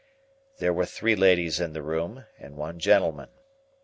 There were three ladies in the room and one gentleman.